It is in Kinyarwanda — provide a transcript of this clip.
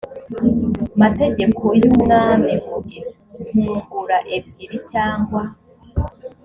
mategeko y umwami ngo intungura ebyiri cyangwa